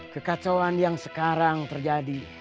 kekacauan yang sekarang terjadi